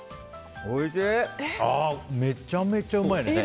めちゃめちゃうまいね。